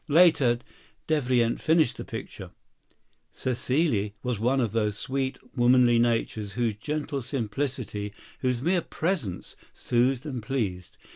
Later, Devrient finished the picture: "Cécile was one of those sweet, womanly natures whose gentle simplicity, whose mere presence, soothed and pleased.